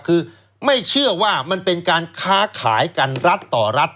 คือไม่เชื่อว่ามันเป็นการค้าขายกันรัฐต่อรัฐ